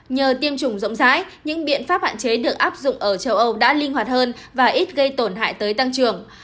nhờ tiêm chủng rộng rãi những biện pháp hạn chế được áp dụng ở châu âu đã linh hoạt hơn và ít gây tổn hại tới tăng trưởng